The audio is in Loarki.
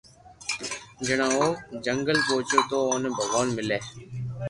جڻي او جنگل پوچي تو اوني ڀگوان ملي